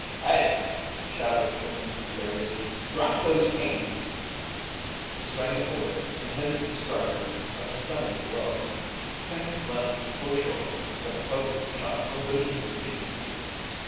"Hey!" shouted Coon furiously. "Drop those cans!" He sprang aboard, intending to strike her a stunning blow. Penny leaped for shore, but the boat shot from beneath her feet.